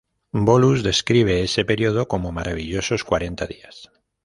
Bolus describe ese periodo como 'maravillosos cuarenta días'.